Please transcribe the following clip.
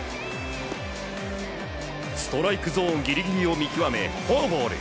ストライクゾーンぎりぎりを見極め、フォアボール。